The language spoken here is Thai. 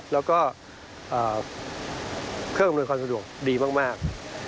แล้วก็เครื่องอำนวยความสะดวกดีมาก